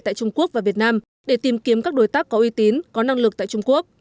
tại trung quốc và việt nam để tìm kiếm các đối tác có uy tín có năng lực tại trung quốc